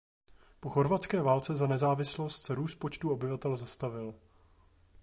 Po Chorvatské válce za nezávislost se růst počtu obyvatel zastavil.